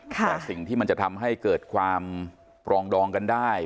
แต่สิ่งที่มันจะทำให้เกิดความปรองดองกันได้